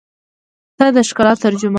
• ته د ښکلا ترجمه یې.